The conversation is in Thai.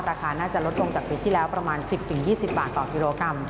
ราคาน่าจะลดลงจากปีที่แล้วประมาณ๑๐๒๐บาทต่อกิโลกรัม